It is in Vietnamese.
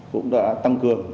cũng đã tăng cường